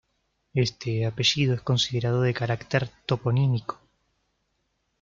Este apellido es considerado de carácter toponímico.